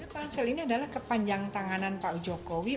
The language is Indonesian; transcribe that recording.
pansel ini adalah kepanjangan tangan pak jokowi